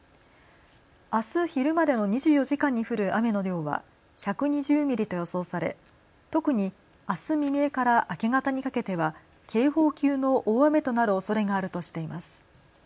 あす昼までの２４時間に降る雨の量は１２０ミリと予想され特にあす未明から明け方にかけては警報級の大雨となるおそれがあるとしています。